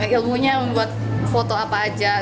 ilmunya membuat foto apa aja